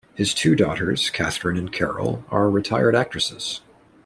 His two daughters, Catherine and Carol, are retired actresses.